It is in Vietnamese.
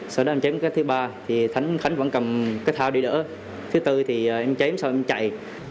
sau đó em chém cái thứ ba thì khánh vẫn cầm cái thao để đỡ thứ tư thì em chém sau em chạy